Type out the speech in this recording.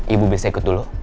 ibu bisa ikut dulu